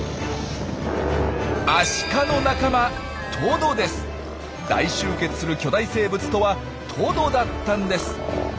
アシカの仲間大集結する巨大生物とはトドだったんです！